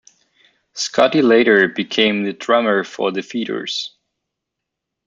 Scotti later became the drummer for The Feederz.